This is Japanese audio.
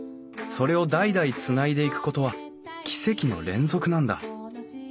それを代々つないでいくことは奇跡の連続なんだ。